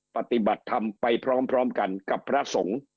ปฏิบัติธรรมไปพร้อมกันกับพระสงฆ์